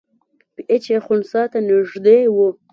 پی ایچ یې خنثی ته نږدې وي.